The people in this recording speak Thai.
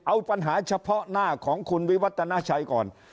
เอาปัญหาเฉพาะหน้าของคุณวิวัตนาชัยก่อน